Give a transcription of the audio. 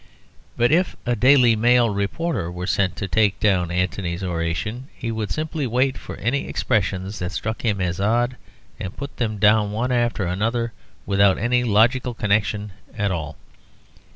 But if a Daily Mail reporter were sent to take down Antony's oration, he would simply wait for any expressions that struck him as odd and put them down one after another without any logical connection at all.